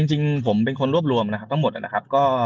จริงผมเป็นคนรวบรวมนะครับทั้งหมดนะครับ